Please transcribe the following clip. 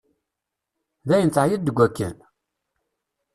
Dayen teεyiḍ deg akken?